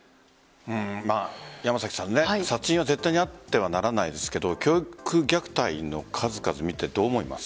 殺人は絶対にあってはならないですけど教育虐待の数々を見てどう思います？